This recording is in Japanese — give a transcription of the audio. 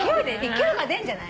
勢いが出んじゃない？